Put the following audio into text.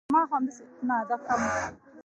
کور د هر انسان لپاره هوساینه لري.